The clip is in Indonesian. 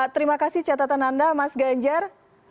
terima kasih catatan anda mas ganjar